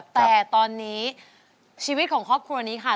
แต่ตอนนี้ชีวิตของครอบครัวนี้ค่ะ